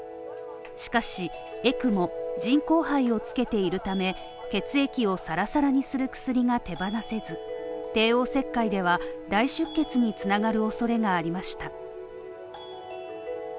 しかし、ＥＣＭＯ＝人工肺をつけているため血液をサラサラにする薬が手放せず帝王切開では大出血につながるおそれがありました。